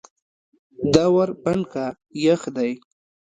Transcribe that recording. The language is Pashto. دا ور بند که یخ دی.